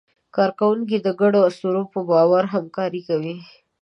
کارکوونکي د ګډو اسطورو په باور همکاري کوي.